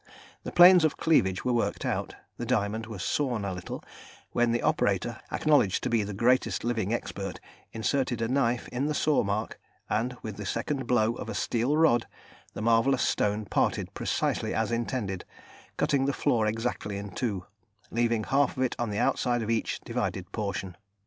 The planes of cleavage were worked out, the diamond was sawn a little, when the operator, acknowledged to be the greatest living expert, inserted a knife in the saw mark, and with the second blow of a steel rod, the marvellous stone parted precisely as intended, cutting the flaw exactly in two, leaving half of it on the outside of each divided portion.